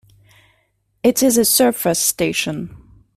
It is a surface station.